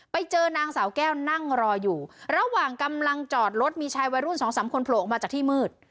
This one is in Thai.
ไปเจอนางสาวแก้วนั่งรออยู่ระหว่างกำลังจอดรถมีชายวัยรุ่นสองสามคนโผล่ออกมาจากที่มืด